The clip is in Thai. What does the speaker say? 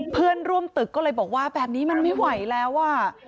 เพื่อนร่วมตึกก็เลยบอกว่าแบบนี้มันไม่ไหวแล้วอ่ะ